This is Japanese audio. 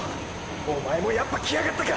おまえもやっぱ来やがったか